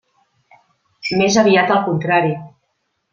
Més aviat al contrari.